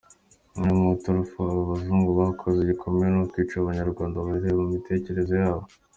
Imwe mu iturufu abo bazungu bakoze gikomeye ni ukwica abanyrwanda bahereye mumitekereze yabo.